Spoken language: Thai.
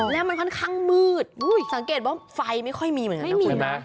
แล้วมันค่อนข้างมืดสังเกตว่าไฟไม่ค่อยมีเหมือนกันไม่มีนะ